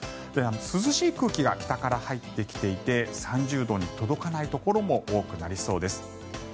涼しい空気が北から入ってきていて３０度に届かないところも多くなりそうです。